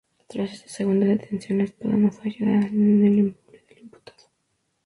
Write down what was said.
Tras esta segunda detención, la espada no fue hallada en el inmueble del imputado.